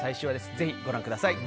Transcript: ぜひご覧ください！